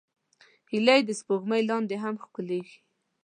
هیلۍ د سپوږمۍ لاندې هم ښکليږي